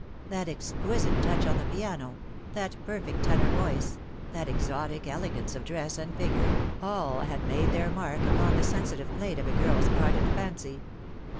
That exquisite touch on the piano, that perfect tenor voice, that exotic elegance of dress and figure, all had made their mark upon the sensitive plate of a girl's ardent fancy.